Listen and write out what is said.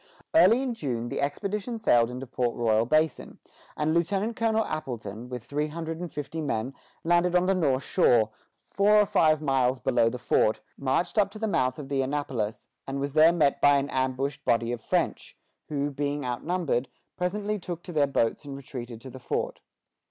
Early in June the expedition sailed into Port Royal Basin, and Lieutenant Colonel Appleton, with three hundred and fifty men, landed on the north shore, four or five miles below the fort, marched up to the mouth of the Annapolis, and was there met by an ambushed body of French, who, being outnumbered, presently took to their boats and retreated to the fort.